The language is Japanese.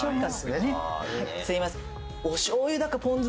すいません。